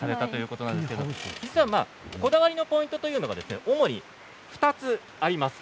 こだわりのポイントというのは主に２つあります。